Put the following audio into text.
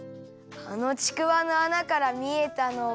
あのちくわのあなからみえたのは。